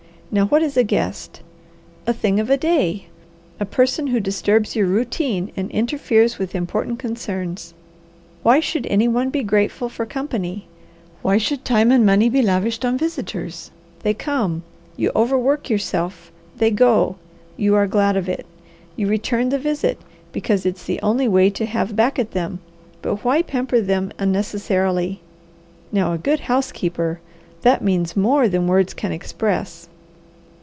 Now what is a guest? A thing of a day! A person who disturbs your routine and interferes with important concerns. Why should any one be grateful for company? Why should time and money be lavished on visitors? They come. You overwork yourself. They go. You are glad of it. You return the visit, because it's the only way to have back at them; but why pamper them unnecessarily? Now a good housekeeper, that means more than words can express.